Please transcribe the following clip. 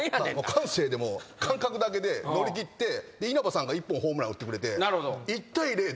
感性でもう感覚だけで乗り切って稲葉さんが１本ホームラン打ってくれて。